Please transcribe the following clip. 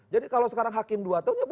jadi kalau sekarang hakim dua tahun